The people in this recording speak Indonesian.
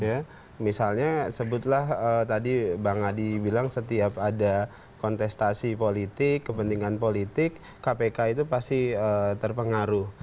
ya misalnya sebutlah tadi bang adi bilang setiap ada kontestasi politik kepentingan politik kpk itu pasti terpengaruh